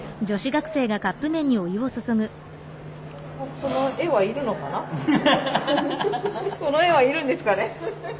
この絵はいるんですかね？